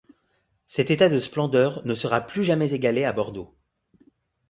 Cet état de splendeur ne sera plus jamais égalé à Bordeaux.